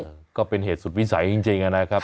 มจิลลูกอภัยก็เป็นเหตุสุดวิสัยจริงอะนะครับ